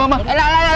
elah elah elah